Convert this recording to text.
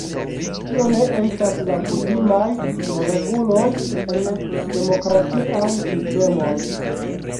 Tio ne estas la kutimaj reguloj en demokratiaj sistemoj.